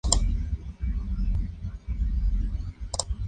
Todas tienen barrotes o balcones de hierro forjado.